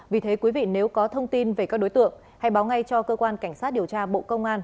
vì thế quý vị nếu có thông tin về các đối tượng hãy báo ngay cho cơ quan cảnh sát điều tra bộ công an